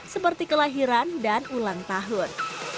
seperti kelahiran dan ulang tahun